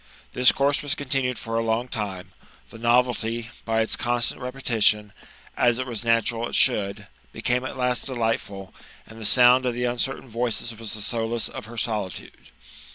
This course was continued for a long time ; the novelty, by its constant repetition — A it was natural H should — became at last delightful ; and the sound of the uncertain voices was the solace of her solitude.